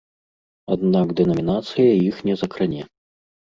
Аднак дэнамінацыя іх не закране.